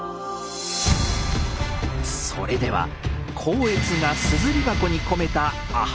それでは光悦が「硯箱」に込めたアハ